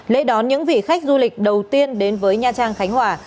lễ đón những vị khách du lịch đầu tiên đến với nha trang khánh hòa